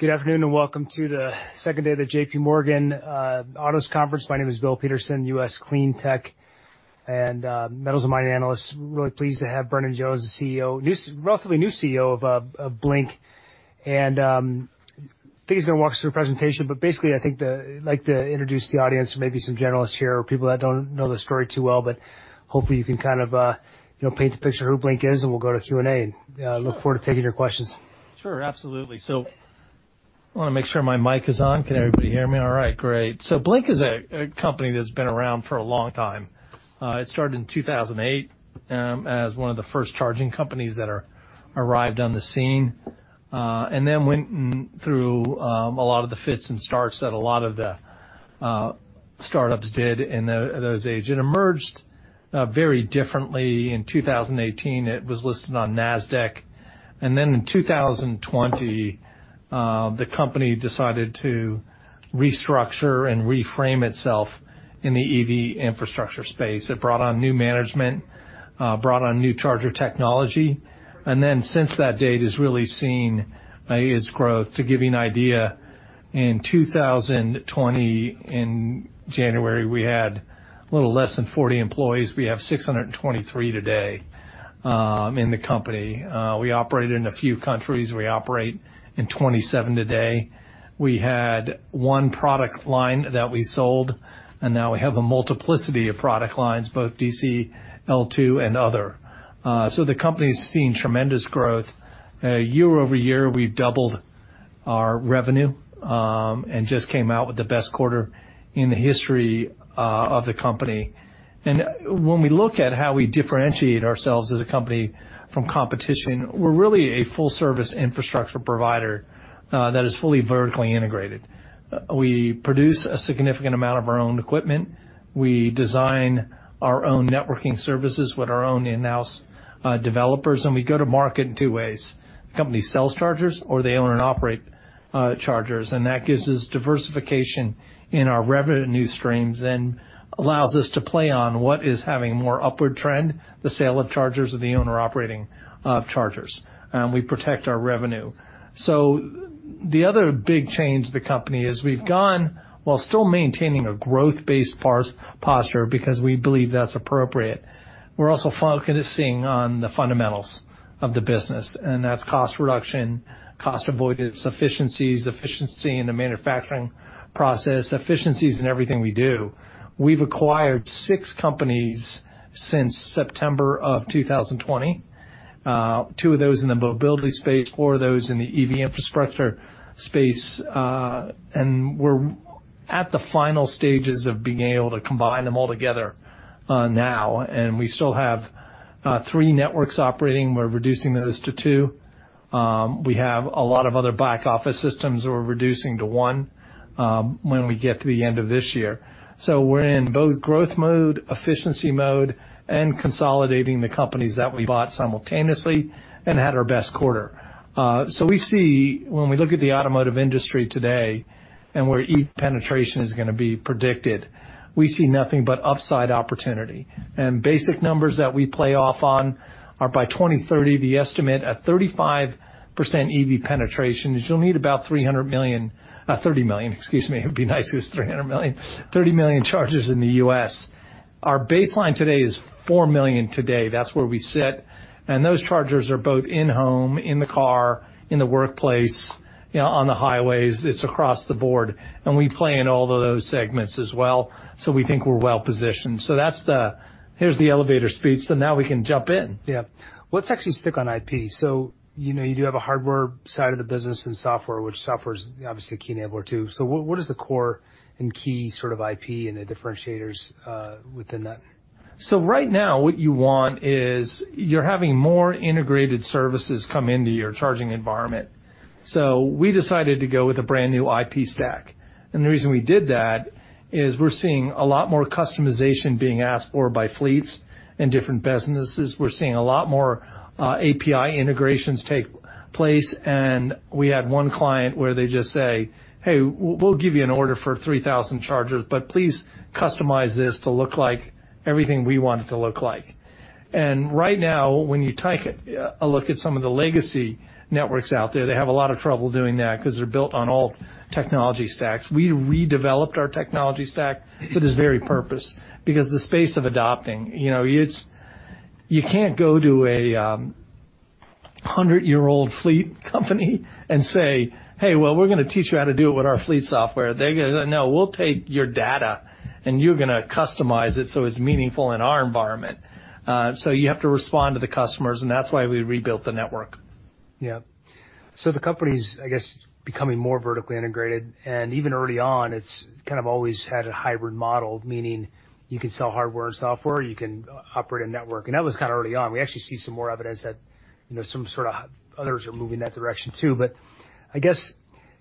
Good afternoon, welcome to the second day of the J.P. Morgan Auto Conference. My name is Bill Peterson, U.S. Clean Tech, and Metals and Mining Analyst. Really pleased to have Brendan Jones, the CEO, relatively new CEO of Blink. I think he's gonna walk us through a presentation, but basically, I'd like to introduce the audience to maybe some journalists here or people that don't know the story too well, but hopefully, you can kind of, you know, paint the picture of who Blink is, and we'll go to Q&A. Sure. I look forward to taking your questions. Sure, absolutely. I wanna make sure my mic is on. Can everybody hear me? All right, great. Blink is a company that's been around for a long time. It started in 2008 as one of the first charging companies that arrived on the scene and then went through a lot of the fits and starts that a lot of the startups did in those age. It emerged very differently in 2018. It was listed on Nasdaq, and then in 2020 the company decided to restructure and reframe itself in the EV infrastructure space. It brought on new management, brought on new charger technology, and then since that date, has really seen its growth. To give you an idea, in 2020, in January, we had a little less than 40 employees. We have 623 today in the company. We operated in a few countries. We operate in 27 today. We had 1 product line that we sold, and now we have a multiplicity of product lines, both DC, L2, and other. The company's seen tremendous growth. Year-over-year, we've doubled our revenue and just came out with the best quarter in the history of the company. When we look at how we differentiate ourselves as a company from competition, we're really a full-service infrastructure provider that is fully vertically integrated. We produce a significant amount of our own equipment. We design our own networking services with our own in-house developers, and we go to market in 2 ways. The company sells chargers, or they own and operate chargers, and that gives us diversification in our revenue streams and allows us to play on what is having more upward trend, the sale of chargers or the owner operating chargers, and we protect our revenue. The other big change in the company is we've gone, while still maintaining a growth-based posture, because we believe that's appropriate. We're also focusing on the fundamentals of the business, and that's cost reduction, cost avoidance, efficiencies, efficiency in the manufacturing process, efficiencies in everything we do. We've acquired 6 companies since September of 2020. Two of those in the mobility space, four of those in the EV infrastructure space. We're at the final stages of being able to combine them all together now. We still have three networks operating. We're reducing those to two. We have a lot of other back office systems we're reducing to one when we get to the end of this year. We're in both growth mode, efficiency mode, and consolidating the companies that we bought simultaneously and had our best quarter. We see when we look at the automotive industry today and where EV penetration is gonna be predicted, we see nothing but upside opportunity. Basic numbers that we play off on are by 2030, the estimate at 35% EV penetration is you'll need about $300 million, $30 million, excuse me. It'd be nice if it was $300 million. $30 million chargers in the U.S. Our baseline today is $4 million today. That's where we sit, and those chargers are both in home, in the car, in the workplace, you know, on the highways. It's across the board, and we play in all of those segments as well. We think we're well positioned. That's the. Here's the elevator speech. Now we can jump in. Yeah. Let's actually stick on IP. You know, you do have a hardware side of the business and software, which software is obviously a key enabler, too. What, what is the core and key sort of IP and the differentiators within that? Right now, what you want is you're having more integrated services come into your charging environment. We decided to go with a brand-new IP stack, and the reason we did that is we're seeing a lot more API integrations take place, and we had one client where they just say, "Hey, we'll, we'll give you an order for 3,000 chargers, but please customize this to look like everything we want it to look like." Right now, when you take a, a look at some of the legacy networks out there, they have a lot of trouble doing that because they're built on old technology stacks. We redeveloped our technology stack for this very purpose, because the space of adopting, you know, you can't go to a 100-year-old fleet company and say, "Hey, well, we're gonna teach you how to do it with our fleet software." They're gonna go, "No, we'll take your data, and you're gonna customize it, so it's meaningful in our environment." You have to respond to the customers, and that's why we rebuilt the network. Yeah. The company's, I guess, becoming more vertically integrated, and even early on, it's kind of always had a hybrid model, meaning you can sell hardware and software, you can operate a network, and that was kind of early on. We actually see some more evidence that, you know, some sort of others are moving in that direction, too. I guess,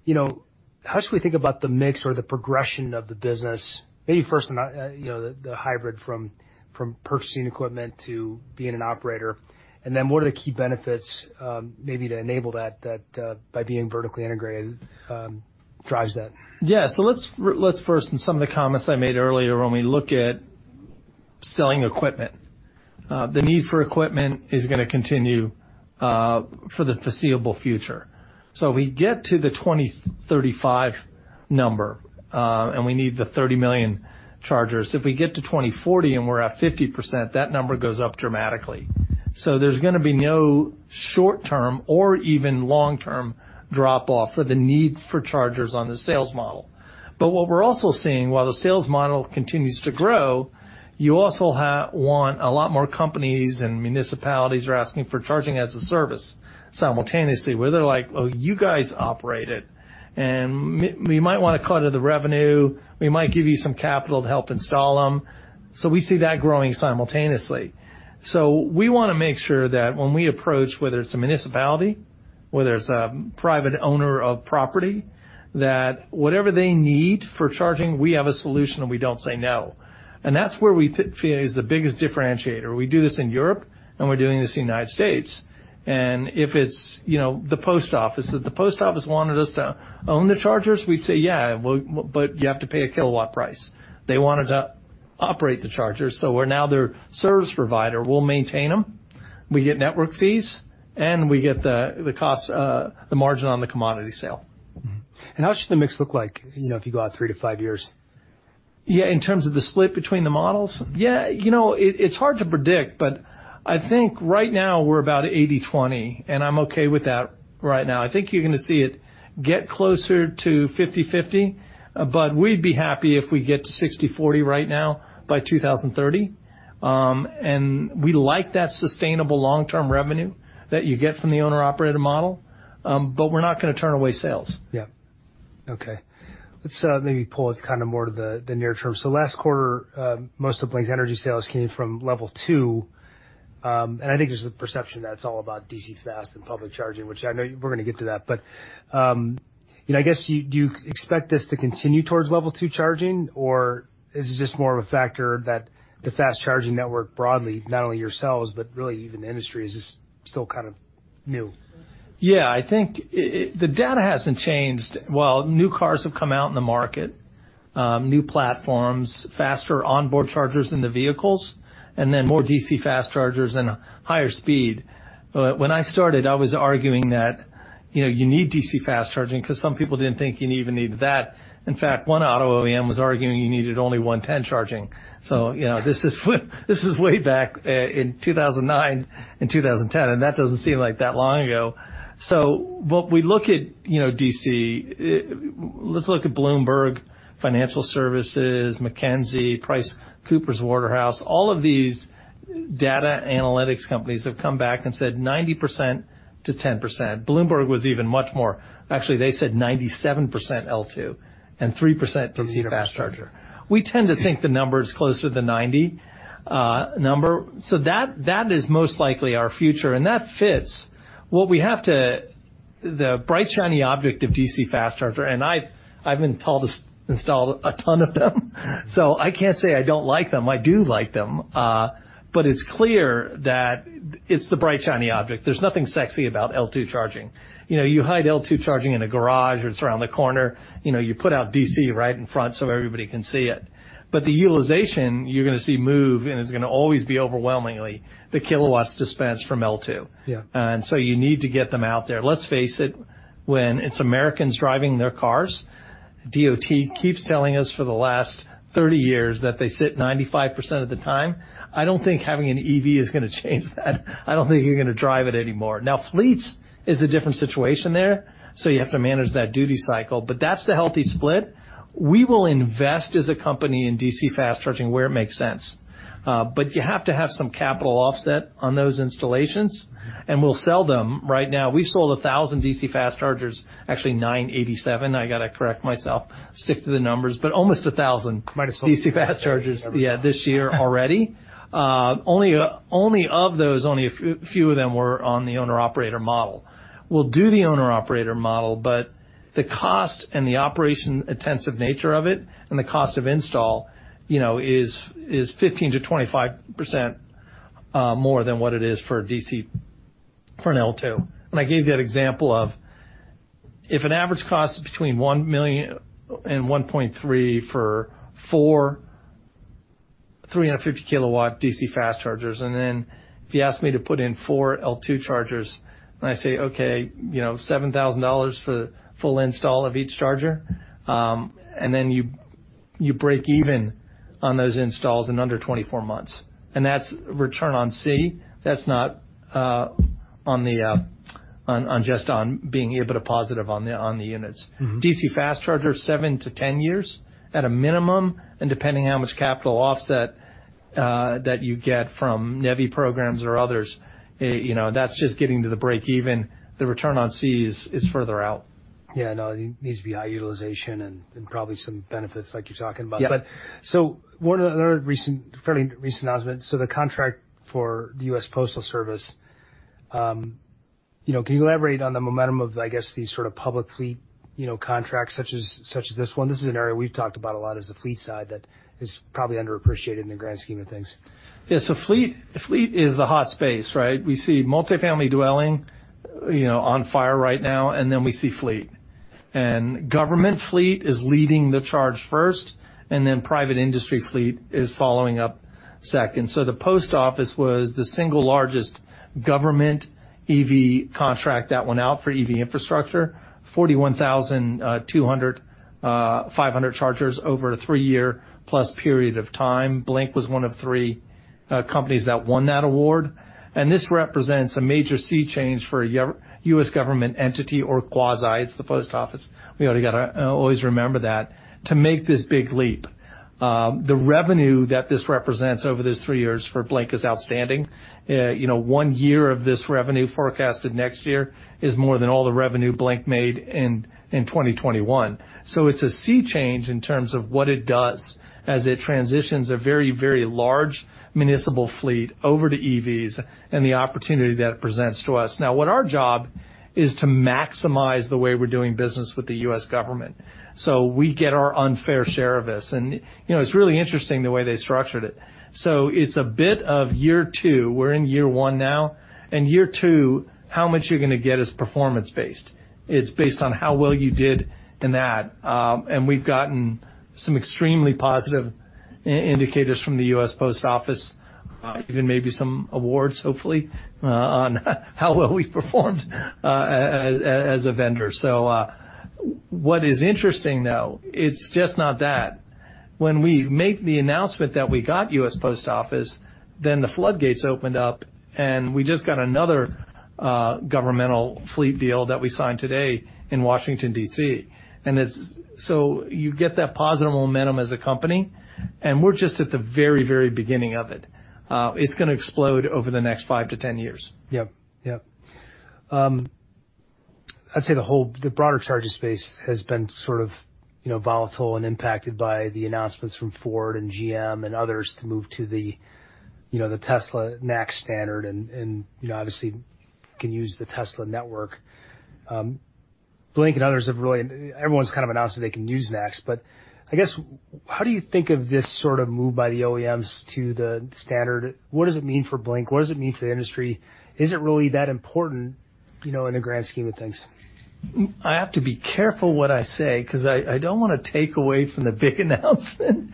you know, how should we think about the mix or the progression of the business? Maybe first, you know, the, the hybrid from, from purchasing equipment to being an operator, and then what are the key benefits, maybe to enable that, that, by being vertically integrated, drives that? Yeah. Let's first, and some of the comments I made earlier, when we look at selling equipment. The need for equipment is gonna continue for the foreseeable future. We get to the 2035 number, and we need the 30 million chargers. If we get to 2040, and we're at 50%, that number goes up dramatically. There's gonna be no short-term or even long-term drop-off for the need for chargers on the sales model. What we're also seeing, while the sales model continues to grow, you also want a lot more companies, and municipalities are asking for Charging as a Service simultaneously, where they're like, "Well, you guys operate it, and we might wanna cut of the revenue. We might give you some capital to help install them." We see that growing simultaneously. We wanna make sure that when we approach, whether it's a municipality, whether it's a private owner of property, that whatever they need for charging, we have a solution, and we don't say no. That's where we feel is the biggest differentiator. We do this in Europe, and we're doing this in the United States. If it's, you know, the post office, if the post office wanted us to own the chargers, we'd say, "Yeah, but you have to pay a kilowatt price." They wanted to operate the chargers, so we're now their service provider. We'll maintain them. We get network fees, and we get the, the cost, the margin on the commodity sale. Mm-hmm. How should the mix look like, you know, if you go out 3 to 5 years? Yeah, in terms of the split between the models? Mm-hmm. Yeah, you know, it, it's hard to predict, but I think right now we're about 80/20, and I'm okay with that right now. I think you're gonna see it get closer to 50/50, but we'd be happy if we get to 60/40 right now by 2030. We like that sustainable long-term revenue that you get from the owner/operator model. We're not gonna turn away sales. Yeah. Okay. Let's maybe pull it kind of more to the, the near term. Last quarter, most of Blink's energy sales came from L2. I think there's a perception that it's all about DC fast and public charging, which I know we're gonna get to that, but, you know, I guess, do, do you expect this to continue towards L2 charging, or is it just more of a factor that the fast charging network broadly, not only yourselves, but really even the industry, is just still kind of new? Yeah, I think it, it... The data hasn't changed. Well, new cars have come out in the market, new platforms, faster onboard chargers in the vehicles, and then more DC fast chargers and a higher speed. When I started, I was arguing that, you know, you need DC fast charging because some people didn't think you even needed that. In fact, one auto OEM was arguing you needed only 110 charging. You know, this is, this is way back in 2009 and 2010, and that doesn't seem like that long ago. When we look at, you know, DC, let's look at Bloomberg Financial Services, McKinsey, PricewaterhouseCoopers. All of these data analytics companies have come back and said 90%-10%. Bloomberg was even much more... Actually, they said 97% L2 and 3% DC fast charger. We tend to think the number is closer to the 90 number, so that, that is most likely our future, and that fits. What we have to-- the bright, shiny object of DC fast charger, and I, I've installed, installed a ton of them, so I can't say I don't like them. I do like them. It's clear that it's the bright, shiny object. There's nothing sexy about L2 charging. You know, you hide L2 charging in a garage, or it's around the corner. You know, you put out DC right in front, so everybody can see it. The utilization you're gonna see move, and it's gonna always be overwhelmingly the kilowatts dispensed from L2. Yeah. So you need to get them out there. Let's face it, when it's Americans driving their cars, DOT keeps telling us for the last 30 years that they sit 95% of the time. I don't think having an EV is gonna change that. I don't think you're gonna drive it any more. Fleets is a different situation there, so you have to manage that duty cycle, but that's the healthy split. We will invest as a company in DC fast charging where it makes sense, but you have to have some capital offset on those installations, and we'll sell them. Right now, we've sold 1,000 DC fast chargers, actually 987. I gotta correct myself, stick to the numbers, but almost 1,000- Might have sold- DC fast chargers, yeah, this year already. Only, only of those, only a few, few of them were on the owner/operator model. We'll do the owner/operator model, but the cost and the operation intensive nature of it and the cost of install, you know, is, is 15%-25% more than what it is for DC, for an L2. I gave you that example of if an average cost is between $1 million and $1.3 million for 4 350 kilowatt DC fast chargers, and then if you ask me to put in 4 L2 chargers, and I say, "Okay, you know, $7,000 for the full install of each charger," and then you, you break even on those installs in under 24 months, and that's return on C. That's not on the just on being able to positive on the units. Mm-hmm. DC fast charger, 7-10 years at a minimum, and depending how much capital offset that you get from NEVI programs or others, you know, that's just getting to the break even. The return on C is, is further out. Yeah, I know. It needs to be high utilization and, and probably some benefits like you're talking about. Yeah. So one other recent, fairly recent announcement, so the contract for the U.S. Postal Service, you know, can you elaborate on the momentum of, I guess, these sort of public fleet, you know, contracts such as, such as this one? This is an area we've talked about a lot is the fleet side that is probably underappreciated in the grand scheme of things. Yeah, fleet, fleet is the hot space, right? We see multifamily dwelling, you know, on fire right now, and then we see fleet. Government fleet is leading the charge first, and then private industry fleet is following up second. The Post Office was the single largest government EV contract that went out for EV infrastructure, 41,000, 200, 500 chargers over a three-year-plus period of time. Blink was one of three companies that won that award. This represents a major sea change for a U.S. government entity or quasi. It's the Post Office. We gotta always remember that, to make this big leap. The revenue that this represents over those three years for Blink is outstanding. You know, one year of this revenue forecasted next year is more than all the revenue Blink made in 2021. It's a sea change in terms of what it does as it transitions a very, very large municipal fleet over to EVs and the opportunity that it presents to us. Now, what our job is to maximize the way we're doing business with the U.S. government. We get our unfair share of this. You know, it's really interesting the way they structured it. It's a bit of year two. We're in year one now, and year two, how much you're gonna get is performance-based. It's based on how well you did in that. We've gotten some extremely positive indicators from the U.S. Post Office, even maybe some awards, hopefully, on how well we performed, as a vendor. What is interesting, though, it's just not that. When we made the announcement that we got U.S. Post Office, the floodgates opened up, and we just got another governmental fleet deal that we signed today in Washington, D.C. You get that positive momentum as a company, and we're just at the very, very beginning of it. It's gonna explode over the next 5 to 10 years. Yep. Yep. I'd say the whole, the broader charging space has been sort of, you know, volatile and impacted by the announcements from Ford and GM and others to move to the, you know, the Tesla NACS standard and, you know, obviously, can use the Tesla network. Blink and others have really... Everyone's kind of announced that they can use NACS, but I guess, how do you think of this sort of move by the OEMs to the standard? What does it mean for Blink? What does it mean for the industry? Is it really that important, you know, in the grand scheme of things? I have to be careful what I say, 'cause I, I don't wanna take away from the big announcement.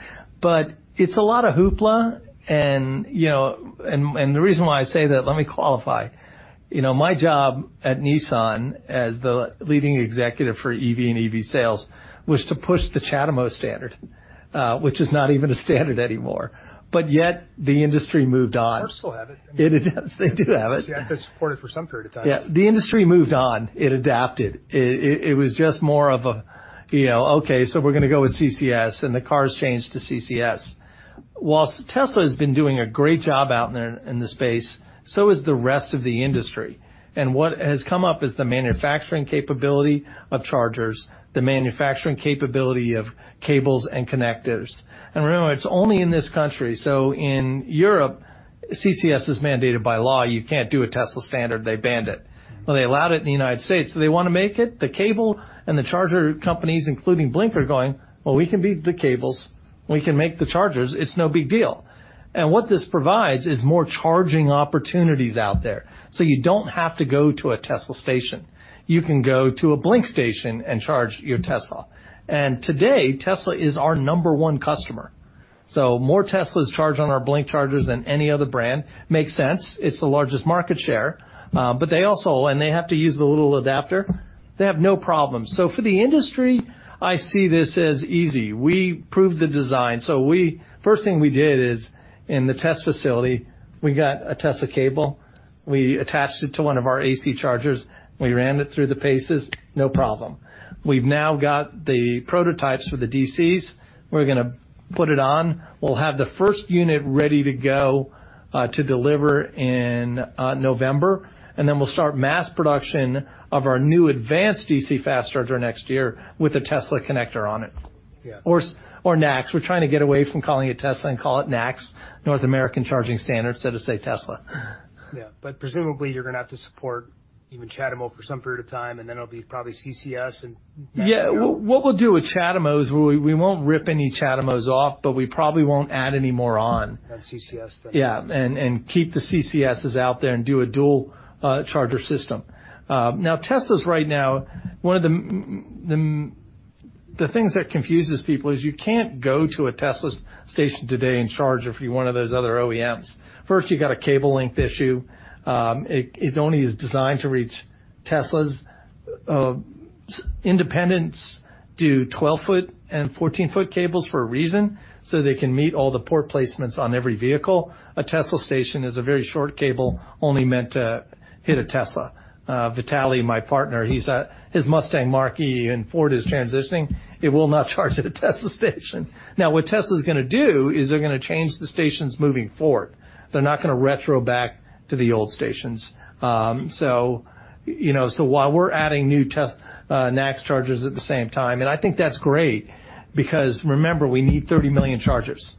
It's a lot of hoopla, and, you know, and, and the reason why I say that, let me qualify. You know, my job at Nissan, as the leading executive for EV and EV sales, was to push the CHAdeMO standard, which is not even a standard anymore, but yet the industry moved on. Cars still have it. It does. They do have it. Yeah, they support it for some period of time. Yeah. The industry moved on. It adapted. It, it, it was just more of a, you know, okay, so we're gonna go with CCS, and the cars changed to CCS. Whilst Tesla has been doing a great job out there in the space, so is the rest of the industry. What has come up is the manufacturing capability of chargers, the manufacturing capability of cables and connectors. Remember, it's only in this country. In Europe, CCS is mandated by law. You can't do a Tesla standard. They banned it. Well, they allowed it in the United States, so they wanna make it. The cable and the charger companies, including Blink, are going, "Well, we can beat the cables. We can make the chargers. It's no big deal." What this provides is more charging opportunities out there. You don't have to go to a Tesla station. You can go to a Blink station and charge your Tesla. Today, Tesla is our number one customer. More Teslas charge on our Blink chargers than any other brand. Makes sense. It's the largest market share. But they also. They have to use the little adapter. They have no problem. For the industry, I see this as easy. We proved the design. First thing we did is, in the test facility, we got a Tesla cable. We attached it to one of our AC chargers. We ran it through the paces, no problem. We've now got the prototypes for the DCs. We're gonna put it on. We'll have the first unit ready to go to deliver in November, and then we'll start mass production of our new advanced DC fast charger next year with a Tesla connector on it. Yeah. NACS. We're trying to get away from calling it Tesla and call it NACS, North American Charging Standard, instead of say, Tesla. Yeah. Presumably, you're gonna have to support even CHAdeMO for some period of time, and then it'll be probably CCS and NACS. Yeah. What we'll do with CHAdeMO is we, we won't rip any CHAdeMOs off, but we probably won't add any more on. Add CCS, then. Yeah, keep the CCSs out there and do a dual charger system. Now, Teslas right now, one of the things that confuses people is you can't go to a Tesla station today and charge if you're one of those other OEMs. First, you got a cable length issue. It, it only is designed to reach Teslas. Independents do 12-foot and 14-foot cables for a reason, so they can meet all the port placements on every vehicle. A Tesla station is a very short cable, only meant to hit a Tesla. Vitaly, my partner, he's His Mustang Mach-E in Ford is transitioning. It will not charge at a Tesla station. What Tesla's gonna do, is they're gonna change the stations moving forward. They're not gonna retro back to the old stations. You know, while we're adding new NACS chargers at the same time, and I think that's great, because remember, we need 30 million chargers.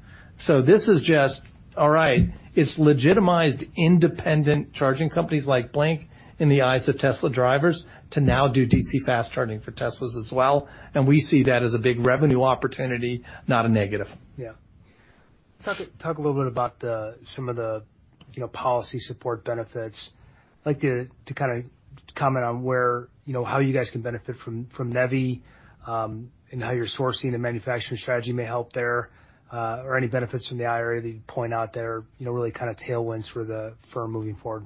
It's legitimized independent charging companies like Blink in the eyes of Tesla drivers to now do DC fast charging for Teslas as well. We see that as a big revenue opportunity, not a negative. Yeah. Talk, talk a little bit about the, some of the, you know, policy support benefits. I'd like you to, to kind of comment on where, you know, how you guys can benefit from, from NEVI, and how your sourcing and manufacturing strategy may help there, or any benefits from the IRA that you'd point out that are, you know, really kind of tailwinds for the firm moving forward.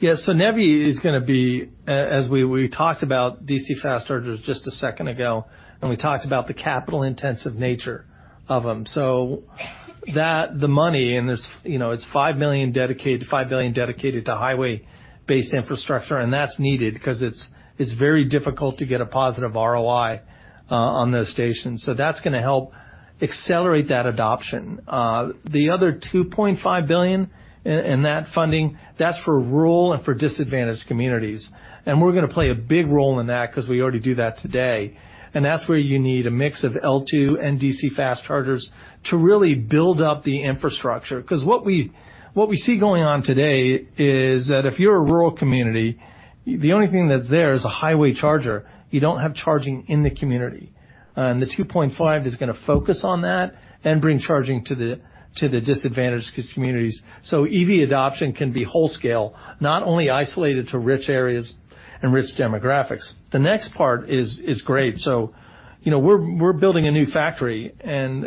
Yeah, NEVI is gonna be, as we, we talked about DC fast chargers just a second ago, we talked about the capital-intensive nature of them. That, the money in this, you know, it's $5 million dedicated, $5 billion dedicated to highway-based infrastructure, that's needed 'cause it's, it's very difficult to get a positive ROI on those stations. That's gonna help accelerate that adoption. The other $2.5 billion in, in that funding, that's for rural and for disadvantaged communities. We're gonna play a big role in that 'cause we already do that today, and that's where you need a mix of L2 and DC fast chargers to really build up the infrastructure. 'Cause what we, what we see going on today is that if you're a rural community, the only thing that's there is a highway charger. You don't have charging in the community. The 2.5 is gonna focus on that and bring charging to the, to the disadvantaged communities. EV adoption can be whole scale, not only isolated to rich areas and rich demographics. The next part is great. You know, we're building a new factory, and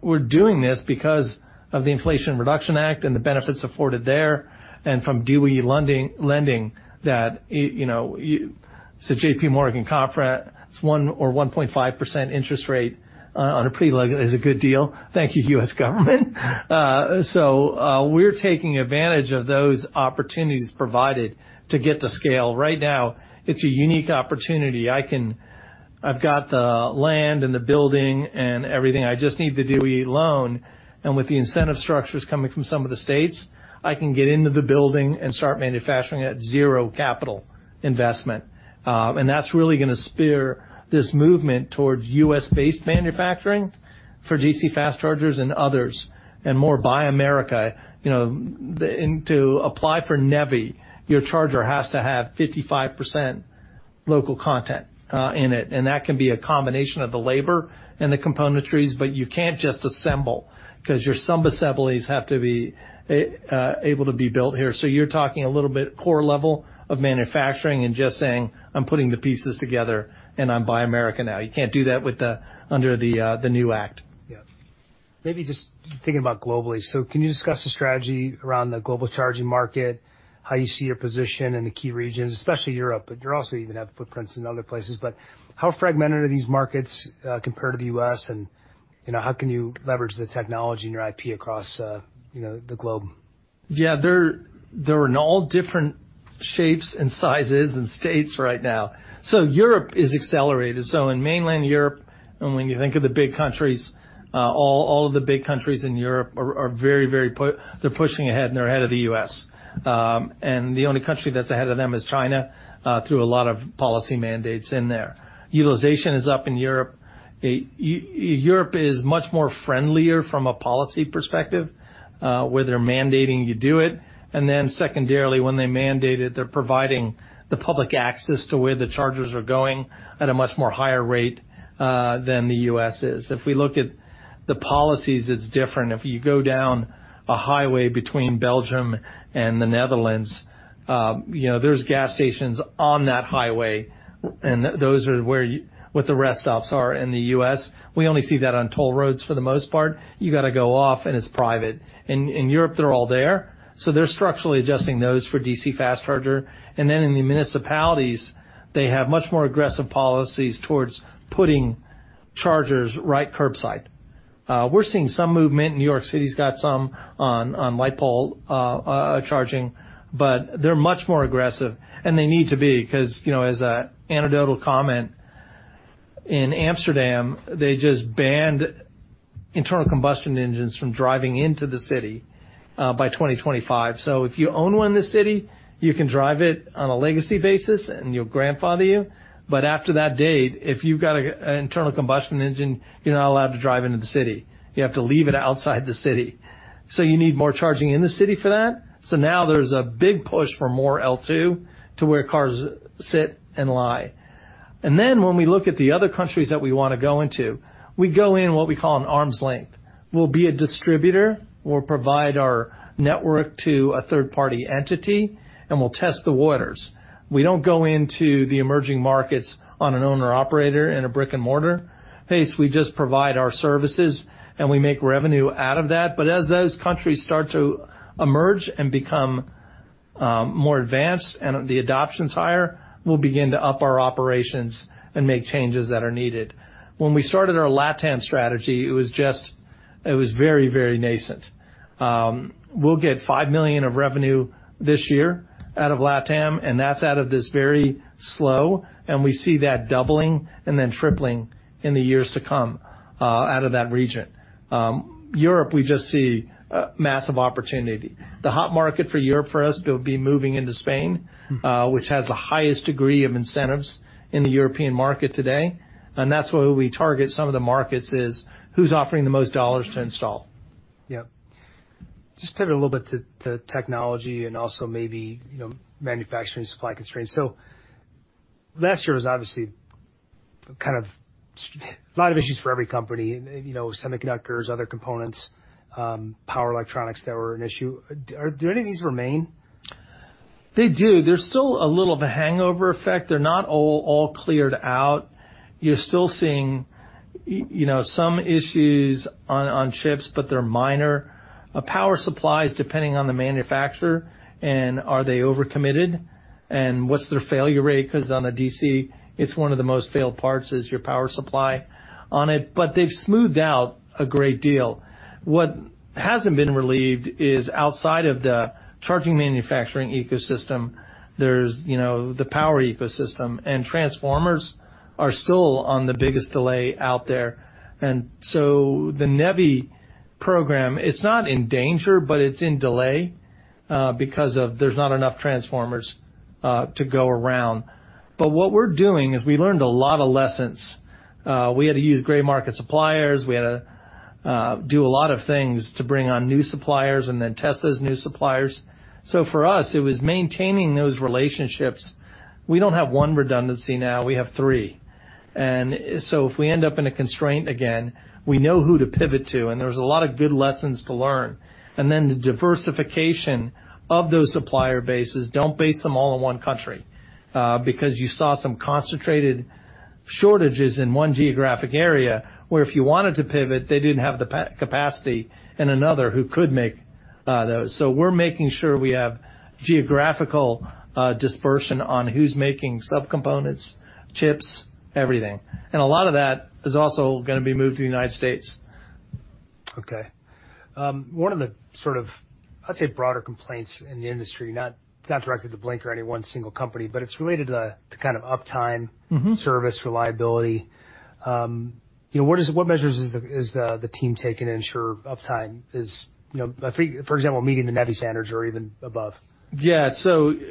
we're doing this because of the Inflation Reduction Act and the benefits afforded there, and from DOE lending, lending that, you know. JPMorgan conference, 1% or 1.5% interest rate on, on a preleg is a good deal. Thank you, U.S. government. We're taking advantage of those opportunities provided to get to scale. Right now, it's a unique opportunity. I've got the land and the building and everything. I just need the DOE loan, with the incentive structures coming from some of the states, I can get into the building and start manufacturing at 0 capital investment. That's really gonna spear this movement towards U.S.-based manufacturing for DC fast chargers and others, and more Buy America. You know, to apply for NEVI, your charger has to have 55% local content in it, and that can be a combination of the labor and the componentries, but you can't just assemble, 'cause your sub-assemblies have to be able to be built here. You're talking a little bit core level of manufacturing and just saying, "I'm putting the pieces together, and I'm Buy America now." You can't do that with the, under the new act. Yeah. Maybe just thinking about globally. Can you discuss the strategy around the global charging market, how you see your position in the key regions, especially Europe, but you also even have footprints in other places. How fragmented are these markets compared to the US, and, you know, how can you leverage the technology and your IP across, you know, the globe? Yeah, they're, they're in all different shapes and sizes and states right now. Europe is accelerated. In mainland Europe, and when you think of the big countries, all, all of the big countries in Europe are, are very, very they're pushing ahead, and they're ahead of the US. The only country that's ahead of them is China, through a lot of policy mandates in there. Utilization is up in Europe. Europe is much more friendlier from a policy perspective, where they're mandating you do it, and then secondarily, when they mandate it, they're providing the public access to where the chargers are going at a much more higher rate, than the US is. If we look at the policies, it's different. If you go down a highway between Belgium and the Netherlands, you know, there's gas stations on that highway, and those are where you where the rest stops are. In the U.S., we only see that on toll roads, for the most part. You gotta go off, and it's private. In Europe, they're all there, so they're structurally adjusting those for DC fast charger. Then in the municipalities, they have much more aggressive policies towards putting chargers right curbside. We're seeing some movement. New York City's got some on, on light pole charging, but they're much more aggressive, and they need to be, 'cause, you know, as a anecdotal comment, in Amsterdam, they just banned internal combustion engines from driving into the city by 2025. If you own one in the city, you can drive it on a legacy basis, and you'll grandfather you, but after that date, if you've got an internal combustion engine, you're not allowed to drive into the city. You have to leave it outside the city. You need more charging in the city for that. Now there's a big push for more L2 to where cars sit and lie. Then, when we look at the other countries that we wanna go into, we go in what we call an arm's length. We'll be a distributor or provide our network to a third-party entity, and we'll test the waters. We don't go into the emerging markets on an owner/operator in a brick-and-mortar base. We just provide our services, and we make revenue out of that. As those countries start to emerge and become more advanced and the adoption's higher, we'll begin to up our operations and make changes that are needed. When we started our LatAm strategy, it was very, very nascent. We'll get $5 million of revenue this year out of LatAm, and that's out of this very slow, and we see that doubling and then tripling in the years to come out of that region. Europe, we just see a massive opportunity. The hot market for Europe for us will be moving into Spain, which has the highest degree of incentives in the European market today, and that's where we target some of the markets, is who's offering the most dollars to install? Yeah. Just pivot a little bit to, to technology and also maybe, you know, manufacturing, supply constraints. Last year was obviously kind of a lot of issues for every company, you know, semiconductors, other components, power electronics that were an issue. Do, do any of these remain? They do. There's still a little of a hangover effect. They're not all, all cleared out. You're still seeing, you know, some issues on, on chips, but they're minor. Power supplies, depending on the manufacturer, and are they overcommitted, and what's their failure rate? Because on a DC, it's one of the most failed parts, is your power supply on it, but they've smoothed out a great deal. What hasn't been relieved is outside of the charging manufacturing ecosystem, there's, you know, the power ecosystem, and transformers are still on the biggest delay out there. The NEVI program, it's not in danger, but it's in delay, because of there's not enough transformers to go around. What we're doing is we learned a lot of lessons. We had to use gray market suppliers. We had to do a lot of things to bring on new suppliers and then test those new suppliers. For us, it was maintaining those relationships. We don't have one redundancy now, we have three. If we end up in a constraint again, we know who to pivot to, and there's a lot of good lessons to learn. Then the diversification of those supplier bases, don't base them all in one country, because you saw some concentrated shortages in one geographic area, where if you wanted to pivot, they didn't have the capacity in another who could make those. We're making sure we have geographical dispersion on who's making subcomponents, chips, everything. A lot of that is also gonna be moved to the United States. Okay. One of the sort of, I'd say, broader complaints in the industry, not, not directly to Blink or any one single company, but it's related to kind of uptime- Mm-hmm. -service, reliability. you know, what measures is the team taking to ensure uptime is, you know, for, for example, meeting the NEVI standards or even above? Yeah,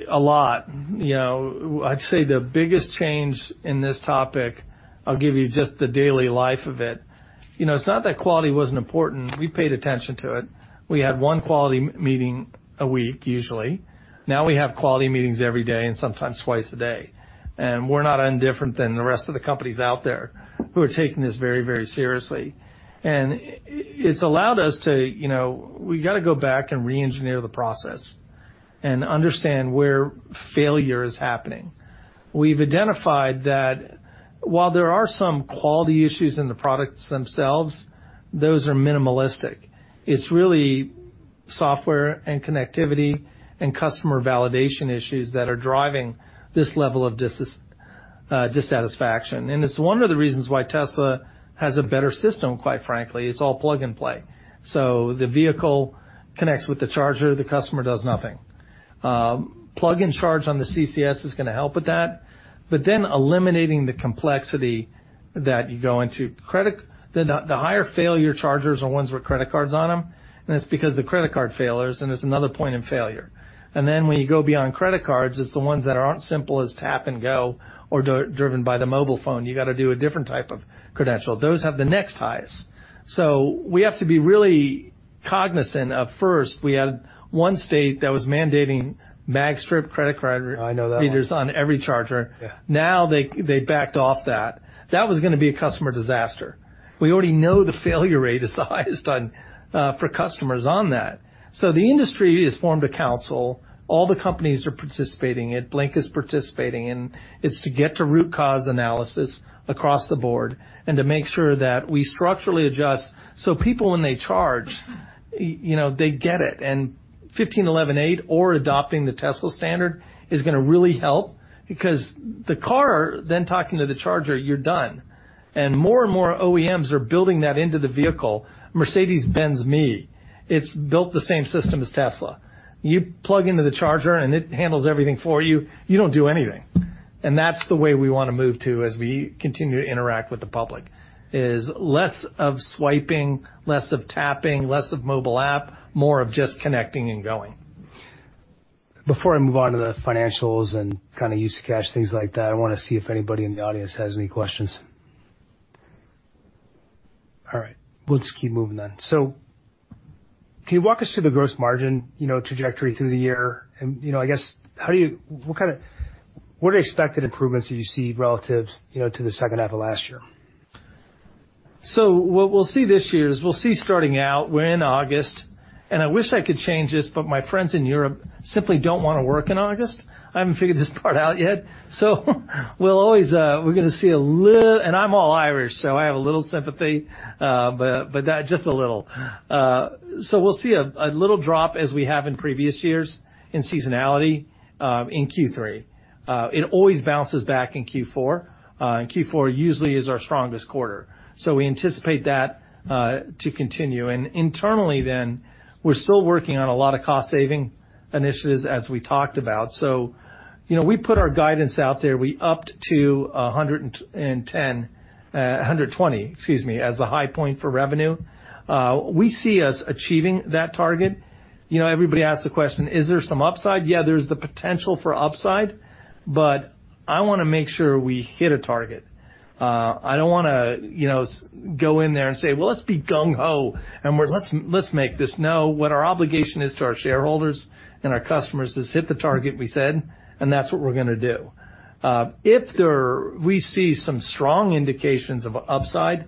a lot. You know, I'd say the biggest change in this topic, I'll give you just the daily life of it. You know, it's not that quality wasn't important. We paid attention to it. We had 1 quality meeting a week, usually. Now we have quality meetings every day and sometimes twice a day. We're not indifferent than the rest of the companies out there who are taking this very, very seriously. It's allowed us to, you know, we gotta go back and reengineer the process and understand where failure is happening. We've identified that while there are some quality issues in the products themselves, those are minimalistic. It's really software and connectivity and customer validation issues that are driving this level of dissatisfaction. It's 1 of the reasons why Tesla has a better system, quite frankly. It's all plug and play. The vehicle connects with the charger, the customer does nothing. Plug & Charge on the CCS is gonna help with that, but then eliminating the complexity that you go into. The higher failure chargers are ones with credit cards on them, and it's because the credit card failures, and there's another point in failure. When you go beyond credit cards, it's the ones that aren't simple as tap and go or driven by the mobile phone. You gotta do a different type of credential. Those have the next highest. We have to be really cognizant of, first, we had 1 state that was mandating magstrip credit card- I know that one. readers on every charger. Yeah. Now, they, they backed off that. That was gonna be a customer disaster. We already know the failure rate is the highest on for customers on that. The industry has formed a council. All the companies are participating in it. Blink is participating in it. It's to get to root cause analysis across the board and to make sure that we structurally adjust so people, when they charge, y-you know, they get it. 15118 or adopting the Tesla standard is gonna really help because the car then talking to the charger, you're done. More and more OEMs are building that into the vehicle. Mercedes-Benz me, it's built the same system as Tesla. You plug into the charger, and it handles everything for you. You don't do anything. That's the way we wanna move to, as we continue to interact with the public, is less of swiping, less of tapping, less of mobile app, more of just connecting and going. Before I move on to the financials and kind of use of cash, things like that, I wanna see if anybody in the audience has any questions. All right, we'll just keep moving then. Can you walk us through the gross margin, you know, trajectory through the year? You know, I guess, what are the expected improvements that you see relative, you know, to the second half of last year? What we'll see this year is we'll see starting out, we're in August, and I wish I could change this, but my friends in Europe simply don't wanna work in August. I haven't figured this part out yet. We'll always. We're gonna see a lit-- I'm all Irish, so I have a little sympathy, but that, just a little. We'll see a, a little drop as we have in previous years in seasonality, in Q3. It always bounces back in Q4, and Q4 usually is our strongest quarter, so we anticipate that to continue. Internally then, we're still working on a lot of cost-saving initiatives, as we talked about. You know, we put our guidance out there. We upped to $120, excuse me, as the high point for revenue. We see us achieving that target. You know, everybody asks the question, "Is there some upside?" Yeah, there's the potential for upside, but I wanna make sure we hit a target. I don't wanna, you know, go in there and say, "Well, let's be gung ho, and let's, let's make this." No, what our obligation is to our shareholders and our customers is hit the target we said, and that's what we're gonna do. We see some strong indications of upside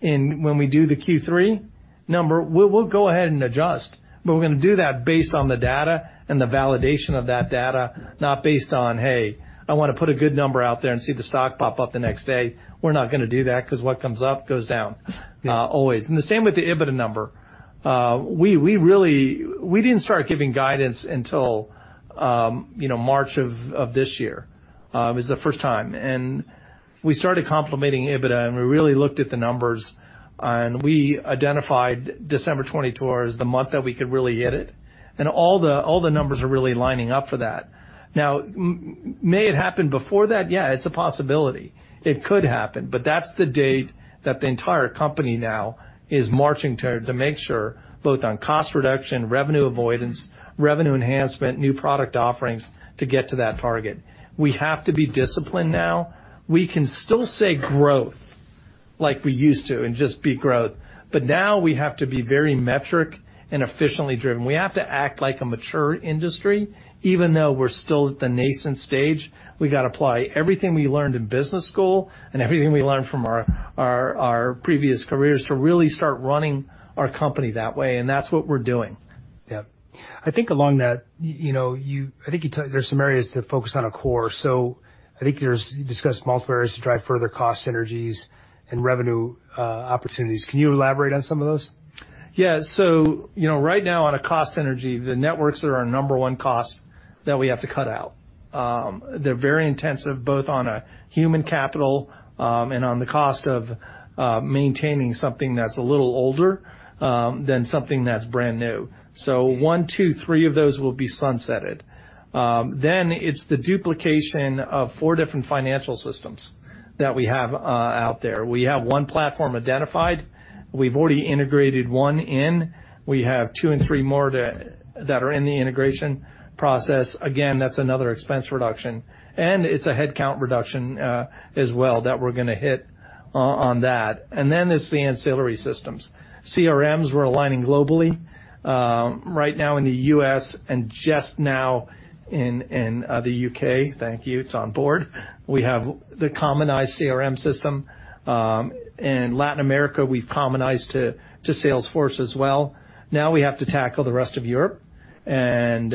in when we do the Q3 number, we'll go ahead and adjust, but we're gonna do that based on the data and the validation of that data, not based on, hey, I wanna put a good number out there and see the stock pop up the next day. We're not gonna do that 'cause what comes up, goes down, always. The same with the EBITDA number. We didn't start giving guidance until, you know, March of this year, is the first time. We started complementing EBITDA, and we really looked at the numbers, and we identified December 2024 as the month that we could really hit it, and all the numbers are really lining up for that. Now, may it happen before that? Yeah, it's a possibility. It could happen, that's the date that the entire company now is marching to, to make sure, both on cost reduction, revenue avoidance, revenue enhancement, new product offerings, to get to that target. We have to be disciplined now. We can still say growth like we used to, and just be growth, but now we have to be very metric and efficiently driven. We have to act like a mature industry, even though we're still at the nascent stage. We gotta apply everything we learned in business school and everything we learned from our, our, our previous careers to really start running our company that way, that's what we're doing. Yeah. I think along that, you know, I think you told there's some areas to focus on a core, so I think you're discuss multiple areas to drive further cost synergies and revenue opportunities. Can you elaborate on some of those? Yeah. You know, right now, on a cost synergy, the networks are our number 1 cost that we have to cut out. They're very intensive, both on a human capital, and on the cost of maintaining something that's a little older than something that's brand new. 1, 2, 3 of those will be sunsetted. Then it's the duplication of 4 different financial systems that we have out there. We have 1 platform identified. We've already integrated 1 in. We have 2 and 3 more that are in the integration process. Again, that's another expense reduction, and it's a headcount reduction as well, that we're gonna hit on that. Then, it's the ancillary systems. CRMs, we're aligning globally, right now in the US and just now in the UK. Thank you. It's on board. We have the commonized CRM system. In Latin America, we've commonized to, to Salesforce as well. We have to tackle the rest of Europe, and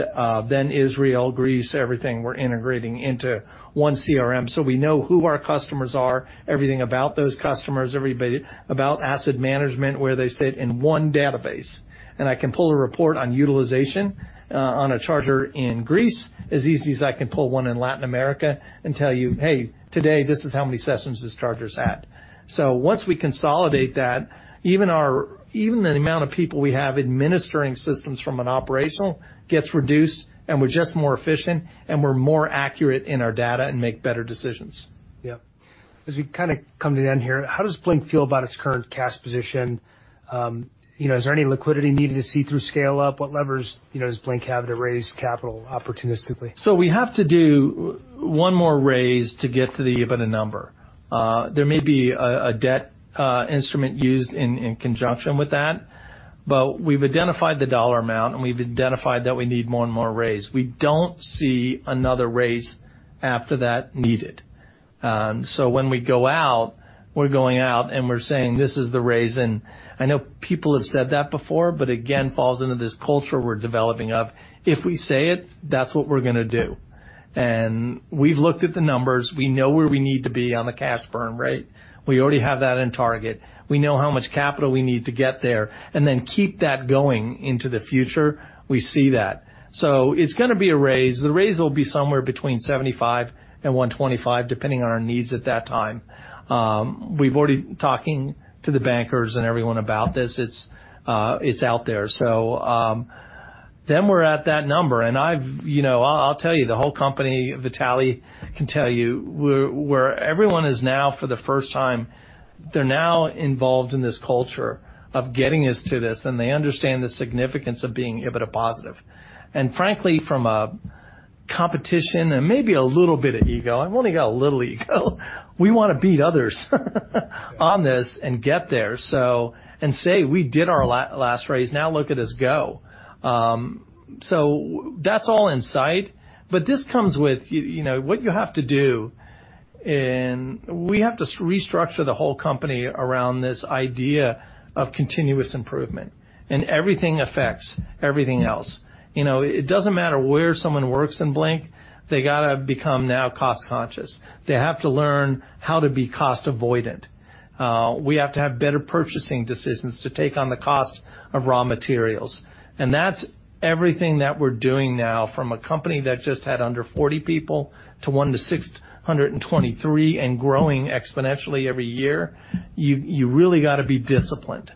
then Israel, Greece, everything, we're integrating into 1 CRM, so we know who our customers are, everything about those customers, everybody, about asset management, where they sit in 1 database. I can pull a report on utilization, on a charger in Greece as easy as I can pull 1 in Latin America and tell you, "Hey, today, this is how many sessions this charger's at." Once we consolidate that, even the amount of people we have administering systems from an operational gets reduced, and we're just more efficient, and we're more accurate in our data and make better decisions. Yeah. As we kind of come to the end here, how does Blink feel about its current cash position? You know, is there any liquidity needed to see through scale-up? What levers, you know, does Blink have to raise capital opportunistically? We have to do 1 more raise to get to the EBITDA number. There may be a debt instrument used in conjunction with that, but we've identified the dollar amount, and we've identified that we need 1 more raise. We don't see another raise after that needed. When we go out, we're going out, and we're saying, "This is the raise," and I know people have said that before, but again, falls into this culture we're developing of, if we say it, that's what we're gonna do. We've looked at the numbers. We know where we need to be on the cash burn rate. We already have that in target. We know how much capital we need to get there and then keep that going into the future. We see that. It's gonna be a raise. The raise will be somewhere between $75 and $125, depending on our needs at that time. We've already... Talking to the bankers and everyone about this, it's out there. Then we're at that number, and you know, I'll tell you, the whole company, Vitaly can tell you, everyone is now, for the first time, they're now involved in this culture of getting us to this, and they understand the significance of being EBITDA positive. Frankly, from a competition and maybe a little bit of ego, I've only got a little ego we wanna beat others on this and get there and say, "We did our la- last raise. Now look at us go." That's all in sight, but this comes with, you know, what you have to do. We have to restructure the whole company around this idea of continuous improvement. Everything affects everything else. You know, it doesn't matter where someone works in Blink, they gotta become now cost conscious. They have to learn how to be cost avoidant. We have to have better purchasing decisions to take on the cost of raw materials. That's everything that we're doing now from a company that just had under 40 people to one to 623 and growing exponentially every year. You really gotta be disciplined,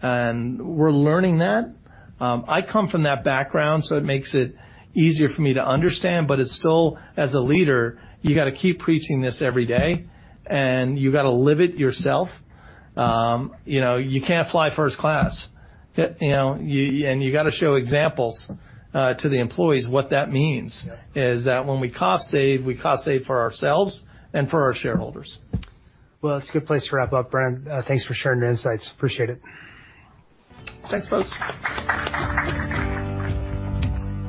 and we're learning that. I come from that background, so it makes it easier for me to understand, but it's still, as a leader, you gotta keep preaching this every day, and you gotta live it yourself. You know, you can't fly first class. You know, and you gotta show examples to the employees what that means. Yeah. is that when we cost save, we cost save for ourselves and for our shareholders. Well, that's a good place to wrap up, Brendan. Thanks for sharing your insights. Appreciate it. Thanks, folks.